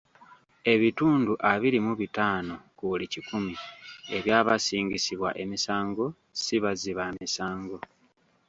Ebitundu abiri mu bitaano ku buli kikumi eby'abasingisibwa emisango si bazzi ba misango.